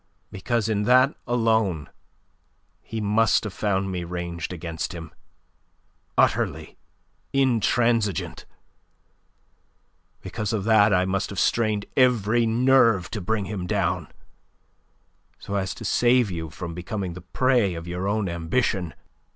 Because in that alone he must have found me ranged against him, utterly intransigeant. Because of that I must have strained every nerve to bring him down so as to save you from becoming the prey of your own ambition.